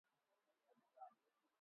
Tu ungane na bale abajuwe kurima